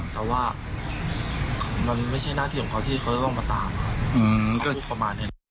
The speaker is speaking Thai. แต่ว่ามันไม่ใช่หน้าที่ของเขาที่เขาต้องมาตาม